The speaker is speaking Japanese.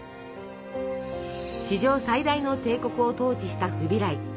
史上最大の帝国を統治したフビライ。